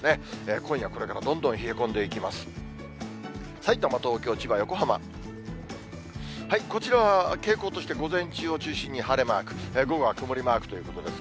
今夜、これからどんどん冷え込んでいきます。